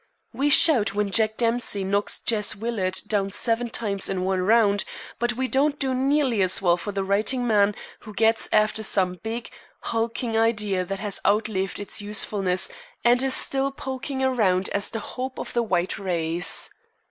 We shout when Jack Dempsey knocks Jess Willard down seven times in one round, but we don't do nearly as well for the writing man who gets after some big, hulking idea that has outlived its usefulness and is still poking around as the hope of the white race.